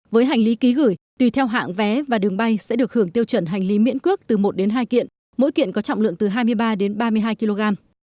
với hành lý ký gửi tùy theo hạng vé và đường bay sẽ được hưởng tiêu chuẩn hành lý miễn cước từ một đến hai kiện mỗi kiện có trọng lượng từ hai mươi ba đến ba mươi hai kg